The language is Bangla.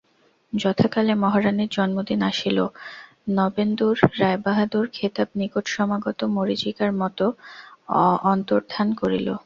যথাকালে মহারানীর জন্মদিন আসিল, নবেন্দুর রায়বাহাদুর খেতাব নিকটসমাগত মরীচিকার মতো অন্তর্ধান করিল।